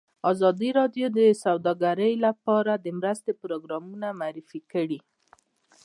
ازادي راډیو د سوداګري لپاره د مرستو پروګرامونه معرفي کړي.